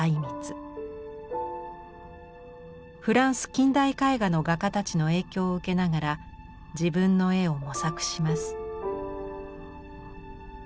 フランス近代絵画の画家たちの影響を受けながら自分の絵を模索します。